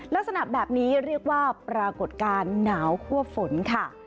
ลักษณะแบบนี้เรียกว่าปรากฏการณ์หนาวคั่วฝนค่ะ